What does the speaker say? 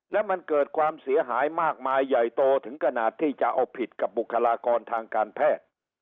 แล้วมันเกิดความเสียหายมากมายใหญ่โตถึงขนาดที่จะเอาผิดกับบุคลากรทางการแพทย์